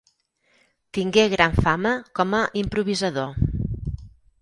Tingué gran fama com a improvisador.